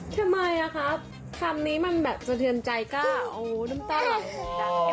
แขมมายอ่ะครับคำนี้มันแบบสเทียนใจก้าวน้ำตาเหล่า